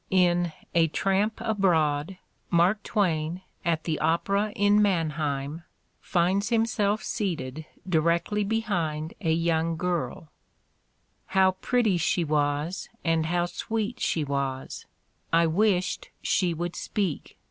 In "A Tramp Abroad" Mark Twain, at the opera in Mannheim, finds himself seated directly behind a young girl: How pretty she was, and how sweet she waal I wished she would speak.